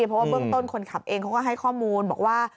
เพราะว่าเบื้องต้นคนขับเองเขาก็ให้ข้อมูลบอกว่า